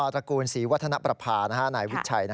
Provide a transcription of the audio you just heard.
ตระกูลศรีวัฒนประพานายวิชัย